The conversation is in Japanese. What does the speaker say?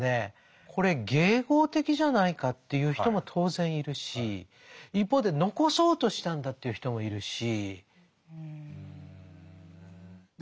これ迎合的じゃないかって言う人も当然いるし一方で残そうとしたんだと言う人もいるし。